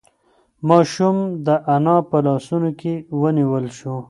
ماشوم د انا په لاسونو کې ونیول شو.